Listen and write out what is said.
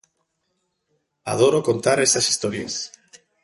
Adoro contar esas historias.